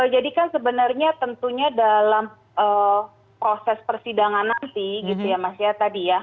jadi kan sebenarnya tentunya dalam proses persidangan nanti gitu ya mas ya tadi ya